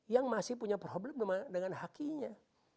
yang masih punya problem dengan hakinya